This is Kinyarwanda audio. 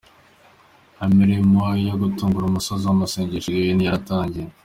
Imirimo yo gutunganya Umusozi w'Amasengesho i Gahini yaratangiye.